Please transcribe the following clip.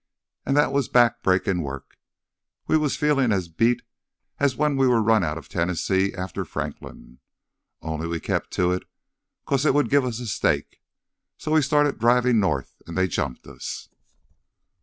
An' that was back breakin' work—we was feelin' as beat as when we run out of Tennessee after Franklin. Only we kept to it, 'cause it would give us a stake. So we started drivin' north, an' they jumped us."